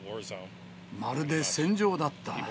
まるで戦場だった。